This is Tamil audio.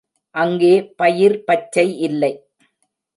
அங்கே பயிர் பச்சை இல்லை.